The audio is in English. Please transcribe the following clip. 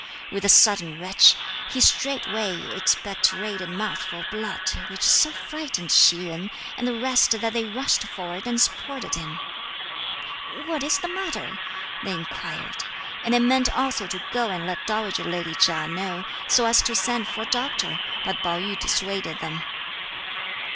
With a sudden retch, he straightway expectorated a mouthful of blood, which so frightened Hsi Jen and the rest that they rushed forward and supported him. "What is the matter?" they inquired, and they meant also to go and let dowager lady Chia know, so as to send for a doctor, but Pao yü dissuaded them.